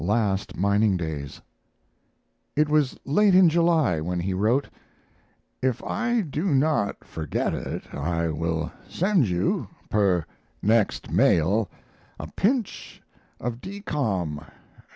LAST MINING DAYS It was late in July when he wrote: If I do not forget it, I will send you, per next mail, a pinch of decom.